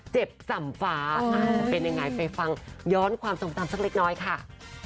เจ็บสำฟ้าจะเป็นยังไงไปฟังย้อนความทรงจำสักเล็กน้อยค่ะ